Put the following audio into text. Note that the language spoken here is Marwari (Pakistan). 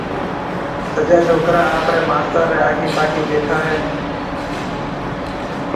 سجا ڇوڪرا آپريَ ماستر ريَ آکِي پاکِي ٻيٺا هيَ۔